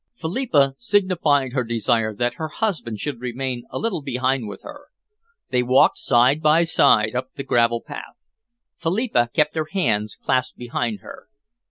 Philippa signified her desire that her husband should remain a little behind with her. They walked side by side up the gravel path. Philippa kept her hands clasped behind her.